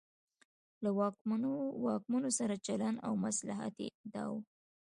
له واکمنو سره چلن او مصلحت یې دا و.